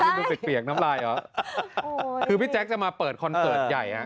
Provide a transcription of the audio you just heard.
ตรงนี้เป็นเสียงน้ำลายเหรอคือพี่แจ็คจะมาเปิดคอนเซิร์ทใหญ่ฮะ